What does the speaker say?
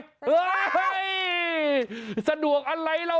เฮ้ยสะดวกอะไรล่ะ